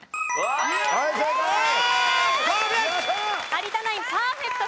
有田ナインパーフェクト。